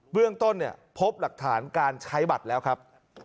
เรื่องต้นพบหลักฐานการใช้บัตรแล้วครับ